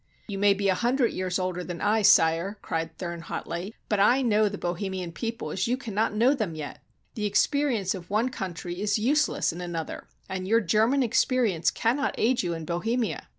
"You may be a hundred years older than I, sire," cried Thurn hotly, "but I know the Bohemian people as you cannot know them yet. The experience of one country is useless in another, and your German expe rience cannot aid you in Bohemia.